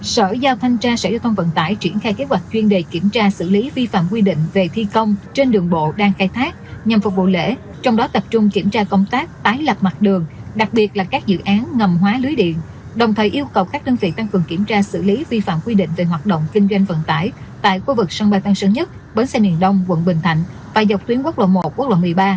sở giao thanh tra sở giao thông vận tải triển khai kế hoạch chuyên đề kiểm tra xử lý vi phạm quy định về thi công trên đường bộ đang khai thác nhằm phục vụ lễ trong đó tập trung kiểm tra công tác tái lập mặt đường đặc biệt là các dự án ngầm hóa lưới điện đồng thời yêu cầu các đơn vị tăng cường kiểm tra xử lý vi phạm quy định về hoạt động kinh doanh vận tải tại khu vực sân bay tân sơn nhất bến xe niền đông quận bình thạnh và dọc tuyến quốc lộ một quốc lộ một mươi ba